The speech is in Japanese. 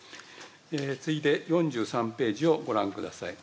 次いで４３ページをご覧ください。